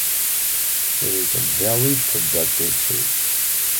It is a very productive tree.